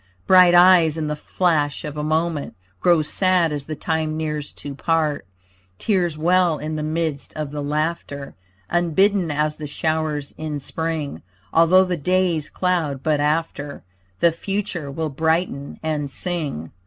Bright eyes in the flash of a moment Grow sad as the time nears to part, Tears well in the midst of the laughter, Unbidden as the showers in Spring. Although the days cloud, but after The future will brighten and sing.